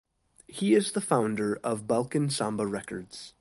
He is the founder of Balkan Samba Records.